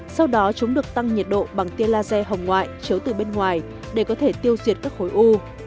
sau đó chúng được tăng nhiệt độ bằng tia laser hồng ngoại chiếu từ bên ngoài để có thể tiêu diệt các khối u